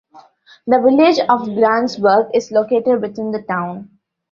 The village of Grantsburg is located within the town.